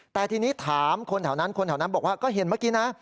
แต่ทีนี้ถามคนแถวนั้นคนแถวนั้นบอกว่าก็เห็นเมื่อกี้นะ